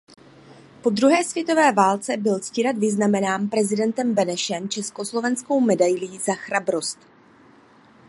Po druhé světové válce byl Ctirad vyznamenán prezidentem Benešem československou medailí Za chrabrost.